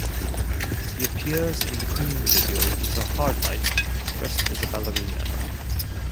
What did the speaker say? He appears in the Queen video 'It's a hard life' dressed as a ballerina.